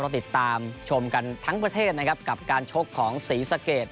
ติดตามชมกันทั้งประเทศนะครับกับการชกของศรีสะเกด